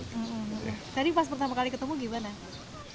tadi pas pertama kali ketemu gimana